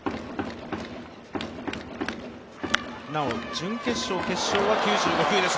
準決勝、決勝は９５球です。